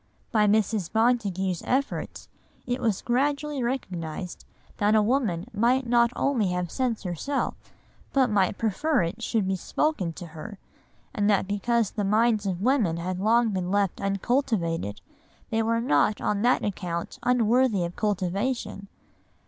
By Mrs. Montagu's efforts it was gradually recognised that a woman might not only have sense herself, but might prefer it should be spoken to her; and that because the minds of women had long been left uncultivated they were not on that account unworthy of cultivation.